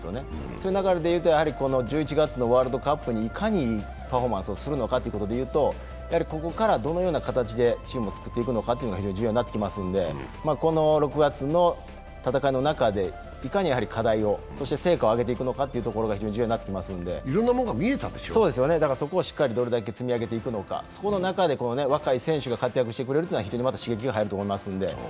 そういう流れでいうと、１１月のワールドカップにいかにパフォーマンスをするのかということで言うと、ここからどのような形でチームをつくっていくのかが非常に重要になってきますのでこの６月の戦いの中でいかに課題をそして成果を上げていくかが非常に重要になってきますので、そこをしっかりどれだけ積み上げていくのか、そこの中で若い選手が活躍してくれるのは刺激が入ると思いますので。